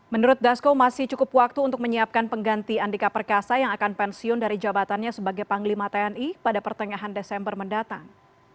menurut dasko masih cukup waktu untuk menyiapkan pengganti andika perkasa yang akan pensiun dari jabatannya sebagai panglima tni pada pertengahan desember mendatang